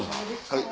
はい。